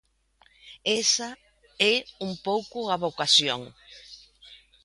Esa é un pouco a vocación.